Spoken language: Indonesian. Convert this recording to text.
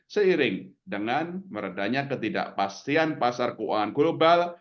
seiring dengan meredanya ketidakpastian pasar keuangan global